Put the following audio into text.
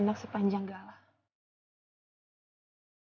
tapi ada di dalam hati ibu